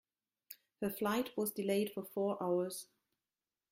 Her flight was delayed for four hours.